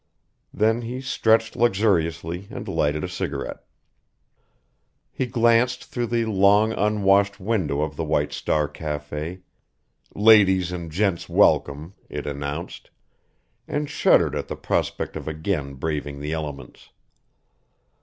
Then he stretched luxuriously and lighted a cigarette. He glanced through the long unwashed window of the White Star Cafe "Ladies and gents welcome," it announced and shuddered at the prospect of again braving the elements.